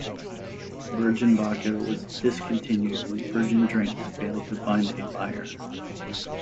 Virgin Vodka was discontinued when Virgin Drinks failed to find a buyer.